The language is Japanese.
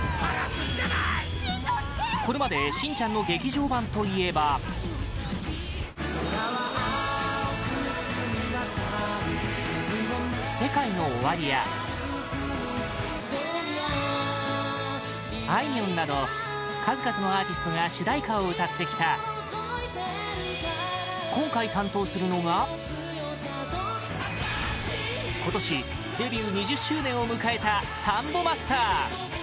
これまで「しんちゃん」の劇場版といえばＳＥＫＡＩＮＯＯＷＡＲＩやあいみょんなど数々のアーティストが主題歌を歌ってきた今回、担当するのが今年、デビュー２０周年を迎えたサンボマスター！